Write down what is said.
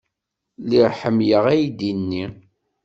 Lliɣ ḥemmleɣ aydi-nni.